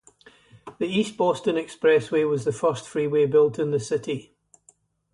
The East Boston Expressway was the first freeway built in the city.